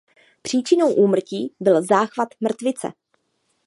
Příčinou úmrtí byl záchvat mrtvice.